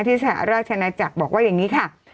สหราชนาจักรบอกว่าอย่างนี้ค่ะ